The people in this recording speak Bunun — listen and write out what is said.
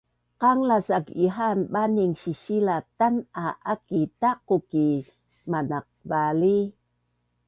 Qanglas aak ihaan baning sisila tan’a aki taqu ki manaq vali